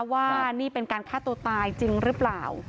ว่านี่เป็นการฆ่าตัวตายจริงหรือเปล่า